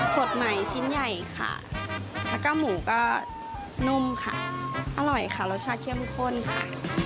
สดใหม่ชิ้นใหญ่ค่ะแล้วก็หมูก็นุ่มค่ะอร่อยค่ะรสชาติเข้มข้นค่ะ